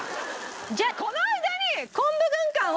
じゃあこの間に昆布軍艦を。